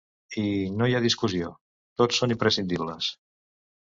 I, no hi ha discussió, tots són imprescindibles.